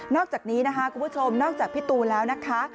อกจากนี้นะคะคุณผู้ชมนอกจากพี่ตูนแล้วนะคะ